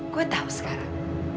gue tahu sekarang